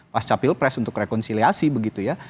pasca pilpres untuk rekonsiliasi begitu ya